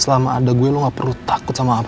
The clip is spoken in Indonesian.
selama ada gue lo gak perlu takut sama apa